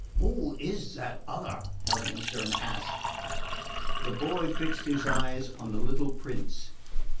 "Who is that other?" Heiligenstern asked. The boy fixed his eyes on the little prince.